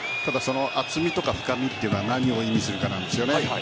厚みとか深みというのは何を意味するかなんです。